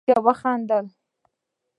نيکه وخندل: